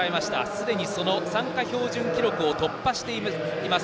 すでに、参加標準記録を突破しています